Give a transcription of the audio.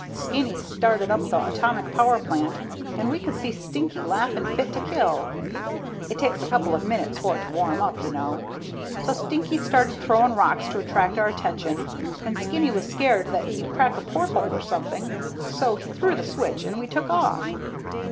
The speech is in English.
Skinny started up the atomic power plant, and we could see Stinky laughing fit to kill. It takes a couple of minutes for it to warm up, you know. So Stinky started throwing rocks to attract our attention, and Skinny was scared that he'd crack a porthole or something, so he threw the switch and we took off.